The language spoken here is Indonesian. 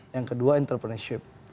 yang kedua entrepreneurship